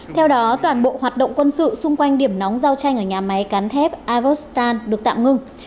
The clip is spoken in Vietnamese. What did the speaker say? theo đó toàn bộ hoạt động quân sự xung quanh điểm nóng giao tranh ở nhà máy cán thép avostan được tạm ngưng